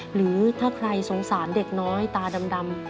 หรือถ้าใครสงสารเด็กน้อยตาดำ